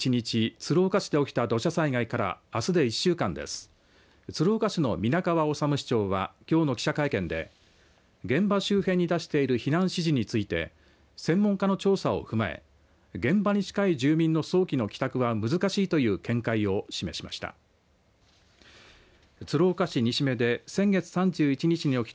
鶴岡市の皆川治市長はきょうの記者会見で現場周辺に出している避難指示について専門家の調査を踏まえ現場に近い住民の早期の帰宅は難しいという見解を示しました。